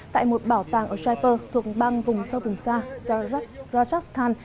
tại một bảo tàng ở jaipur thuộc bang vùng sâu vùng xa rajasthan